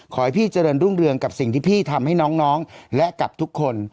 ขอให้พี่เจริญรุ่งเรืองกับสิ่งที่พี่ทำให้น้องและกับทุกคน